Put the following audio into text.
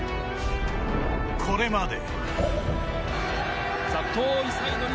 これまで。